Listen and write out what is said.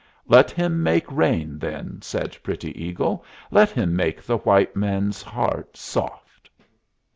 "Let him make rain, then," said Pretty Eagle. "Let him make the white man's heart soft."